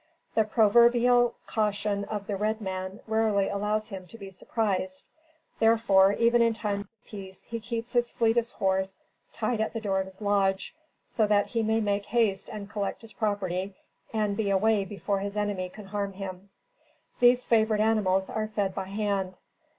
The proverbial caution of the red man rarely allows him to be surprised; therefore, even in times of peace, he keeps his fleetest horse tied at the door of his lodge, so that he may make haste and collect his property, and be away before his enemy can harm him. These favorite animals are fed by hand.